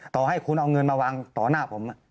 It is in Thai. ต่อให้คุณเอาเงินมาวางต่อหน้าผม